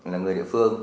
là người địa phương